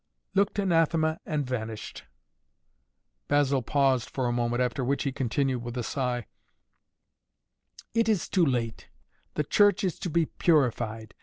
"Looked anathema and vanished" Basil paused for a moment, after which he continued with a sigh: "It is too late! The Church is to be purified.